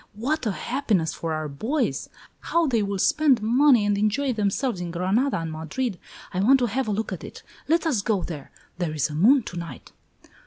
What a happiness for our boys! How they will spend money and enjoy themselves in Granada and Madrid! I want to have a look at it. Let us go there. There is a moon to night!"